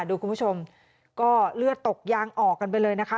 คุณผู้ชมก็เลือดตกยางออกกันไปเลยนะคะ